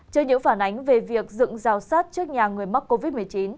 trên những phản ánh về việc dựng rào sát trước nhà người mắc covid một mươi chín